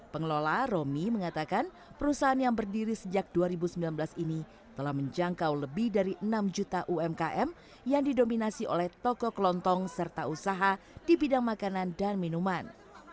pengelola romi mengatakan perusahaan yang berdiri sejak dua ribu sembilan belas ini telah menjangkau lebih dari enam juta umkm yang didominasi oleh toko kelontong serta usaha di bidang makanan dan minuman